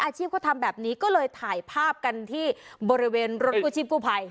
ชีพก็ทำแบบนี้ก็เลยถ่ายภาพกันที่บริเวณรถกู้ชีพกู้ภัย